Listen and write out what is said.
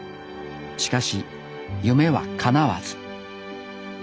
しかし夢はかなわず。